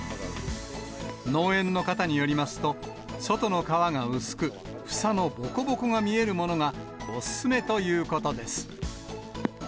農園の方によりますと、外の皮が薄く、房のぼこぼこが見えるものが、お勧めということです。